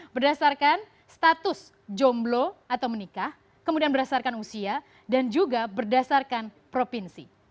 berdasarkan status jomblo atau menikah kemudian berdasarkan usia dan juga berdasarkan provinsi